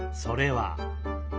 それは？